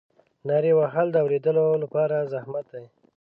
نارې وهل د اورېدلو لپاره زحمت دی.